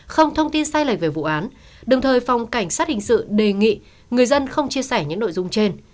không thông tin sai lệch về vụ án đồng thời phòng cảnh sát hình sự đề nghị người dân không chia sẻ những nội dung trên